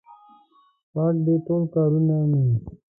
پاک دي ټول کارونه مې